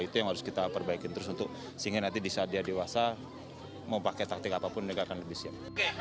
itu yang harus kita perbaikin terus untuk sehingga nanti di saat dia dewasa mau pakai taktik apapun dia akan lebih siap